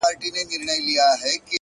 صبر د هیلو ساتونکی دیوال دی,